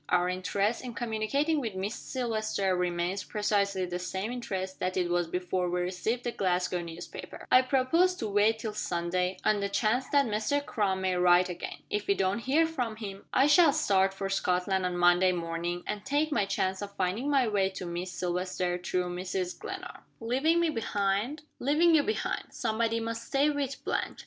Our interest in communicating with Miss Silvester remains precisely the same interest that it was before we received the Glasgow newspaper. I propose to wait till Sunday, on the chance that Mr. Crum may write again. If we don't hear from him, I shall start for Scotland on Monday morning, and take my chance of finding my way to Miss Silvester, through Mrs. Glenarm." "Leaving me behind?" "Leaving you behind. Somebody must stay with Blanche.